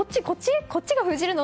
こっちが封じるの？